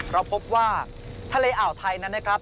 เราพบว่าทะเลอ่าวไทยนั้นนะครับ